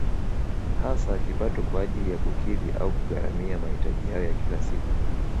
Hasa kipato kwa ajili ya kukidhi au kugharamia mahitaji yao ya kila siku